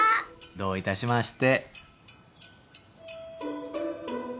どういたしまして。